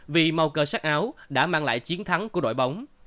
vì màu cờ sắc áo đã mang lại chiến thắng của đội bóng